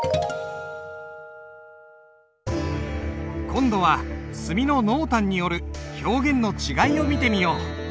今度は墨の濃淡による表現の違いを見てみよう。